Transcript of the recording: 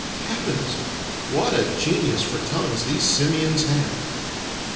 Heavens, what a genius for tongues these simians have!